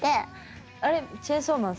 あれ「チェンソーマン」